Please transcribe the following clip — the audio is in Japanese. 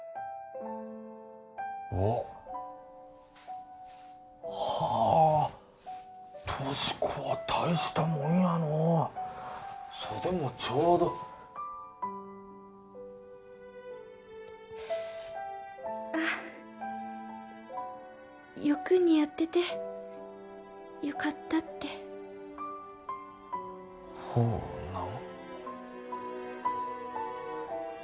おッはあ俊子は大したもんやのう袖もちょうどあッよく似合っててよかったってほうなん？